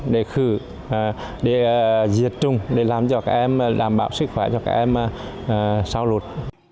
để khử để diệt trùng để làm cho các em đảm bảo sức khỏe cho các em sau lụt